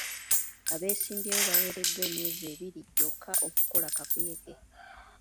Abeesimbyewo baweereddwa emyezi ebiri gyokka okukola kakuyege.